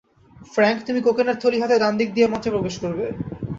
Frank, তুমি কোকেনের থলি হাতে ডানদিক দিয়ে মঞ্চে প্রবেশ করবে।